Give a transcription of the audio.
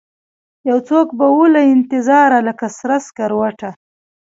یوڅوک به ووله انتظاره لکه سره سکروټه